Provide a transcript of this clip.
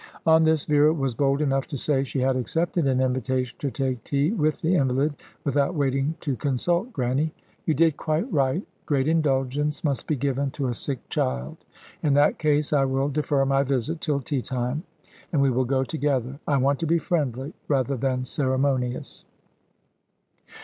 On this Vera was bold enough to say she had accepted an invitation to take tea with the invalid, without waiting to consult Grannie. "You did quite right. Great indulgence must be given to a sick child. In that case I will defer my visit till tea time, and we will go together. I want to be friendly, rather than ceremonious."